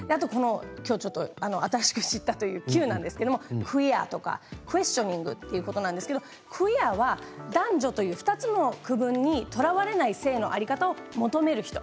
きょう新しく知ったというＱクィア、クエスチョニングということばがクィアが男女という２つの区分にとらわれない性の在り方を求める人。